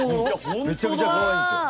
めちゃめちゃかわいいんですよ。